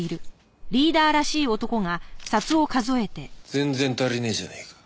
全然足りねえじゃねえか。